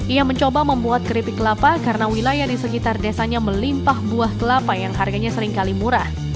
ia mencoba membuat keripik kelapa karena wilayah di sekitar desanya melimpah buah kelapa yang harganya seringkali murah